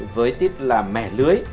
với tiết là mẹ lưới